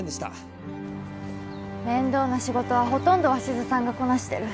面倒な仕事はほとんど鷲津さんがこなしてる。